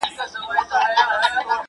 یو له بل سره مرسته وکړئ.